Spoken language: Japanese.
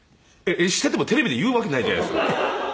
していてもテレビで言うわけないじゃないですか。